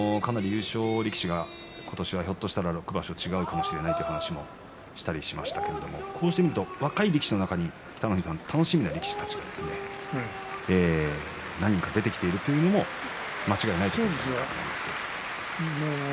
優勝力士が今年は６場所違うかもしれないという話をしたりしましたけれどこうして見ると若い力士の中に楽しみな力士たちが何人か出てきているというのも間違いないですね。